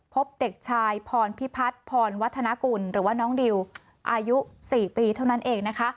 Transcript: พบเด็กชายพรพิพัฒน์พรวัฒนากุลหรือว่าน้องดิวอายุ๔ปีเท่านั้นเองนะคะ